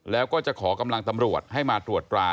แล้วก็จะขอกำลังตำรวจให้มาตรวจตรา